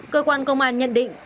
cơ quan công an nhận định